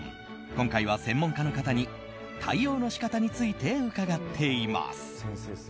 今回は専門家の方に対応の仕方について伺っています。